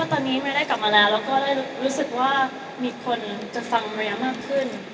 ตอนนี้เมรียได้กลับมาแล้วก็รู้สึกว่ามีคนจะฟังเมรียมากขึ้น